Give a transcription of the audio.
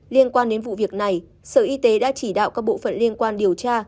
liên quan đến vụ việc này sở y tế đã chỉ đạo các bộ phận liên quan điều tra